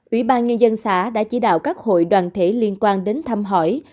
ubnd xã đã chỉ đạo các hội đoàn thể liên quan đến thăm hỏi